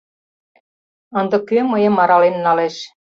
Ынде кӧ мыйым арален налеш?